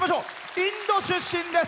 インド出身です。